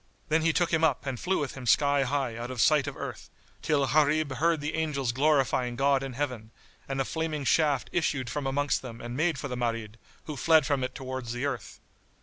Then he took him up and flew with him sky high out of sight of earth, till Gharib heard the angels glorifying God in Heaven, and a flaming shaft issued from amongst them and made for the Marid, who fled from it towards the earth.